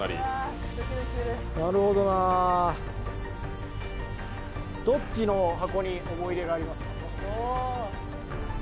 なるほどな、どっちの箱に思い入れがありますか？